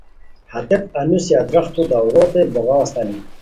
ہتیت انوسی ادرختو داروتے بوغاؤ استانی